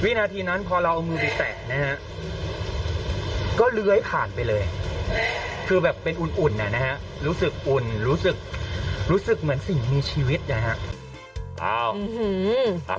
นาทีนั้นพอเราเอามือไปแตะนะฮะก็เลื้อยผ่านไปเลยคือแบบเป็นอุ่นนะฮะรู้สึกอุ่นรู้สึกเหมือนสิ่งมีชีวิตนะฮะ